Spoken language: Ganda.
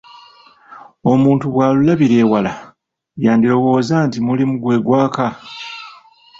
Omuntu bw'alulabira ewala, yandirowooza nti mulimu gwe gwaka..